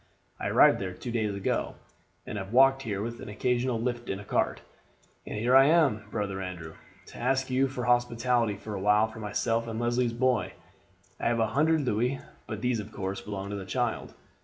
I arrived there two days ago, and have walked here, with an occasional lift in a cart; and here I am, brother Andrew, to ask you for hospitality for a while for myself and Leslie's boy. I have a hundred louis, but these, of course, belong to the child.